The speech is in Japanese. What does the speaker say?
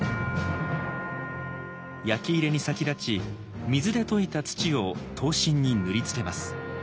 焼き入れに先立ち水で溶いた土を刀身に塗りつけます。